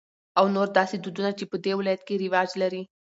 او نور داسې دودنه چې په د ولايت کې رواج لري.